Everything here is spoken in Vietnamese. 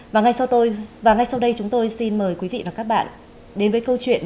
và ngay sau đây chúng tôi xin mời quý vị và các bạn đến với câu chuyện